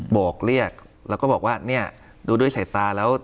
บอกเรียกแล้วก็บอกว่าเนี่ยดูด้วยสายตาแล้ว